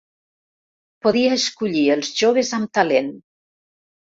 Podia escollir els joves amb talent.